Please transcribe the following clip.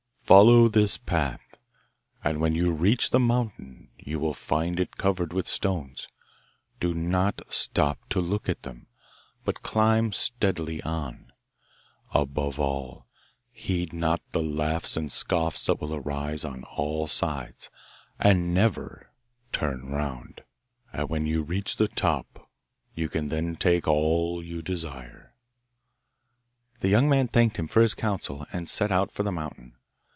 'Follow this path, and when you reach the mountain you will find it covered with stones. Do not stop to look at them, but climb steadily on. Above all, heed not the laughs and scoffs that will arise on all sides, and never turn round. And when you reach the top you can then take all you desire.' The young man thanked him for his counsel, and set out for the mountain.